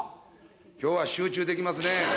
今日は集中できますね。